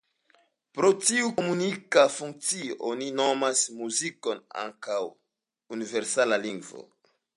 Pro tiu komunika funkcio oni nomas muzikon ankaŭ ""universala lingvo"".